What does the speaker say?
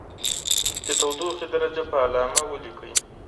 د تودوخې درجه په علامه ولیکئ.